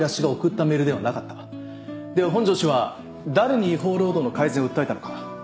では本庄氏は誰に違法労働の改善を訴えたのか。